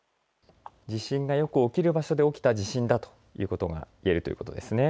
地震がよく起きる場所で起きた地震ということが言えるということですね。